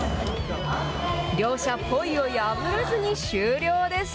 両者、ポイを破らずに終了です。